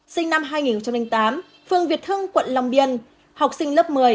sinh năm hai nghìn tám phương việt hưng quận long biên học sinh lớp một mươi